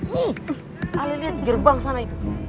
ih alih alih gerbang sana itu